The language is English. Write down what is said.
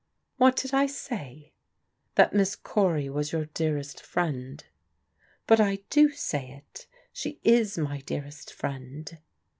What did I say? " That Miss Cory was your dearest friend." *' But I do say it. She is my dearest friend."